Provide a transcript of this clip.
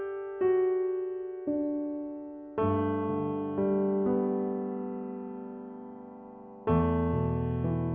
อิทธิภัณฑ์